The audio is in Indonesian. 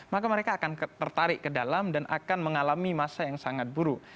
maka mereka akan tertarik ke dalam dan akan mengalami masa yang sangat buruk